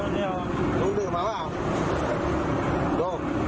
นู่นดื่มหัวหรอ